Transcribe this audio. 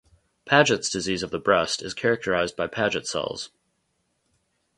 Paget's disease of the breast is characterised by Paget cells.